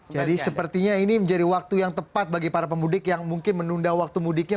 jadi sepertinya ini menjadi waktu yang tepat bagi para pemudik yang mungkin menunda waktu mudiknya